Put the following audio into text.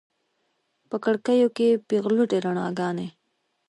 په کړکیو کې پیغلوټې روڼاګانې